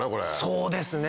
そうですね。